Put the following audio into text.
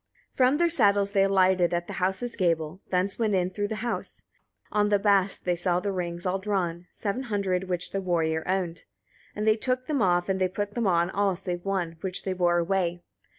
7. From their saddles they alighted at the house's gable, thence went in through the house. On the bast they saw the rings all drawn, seven hundred, which the warrior owned. 8. And they took them off, and they put them on, all save one, which they bore away.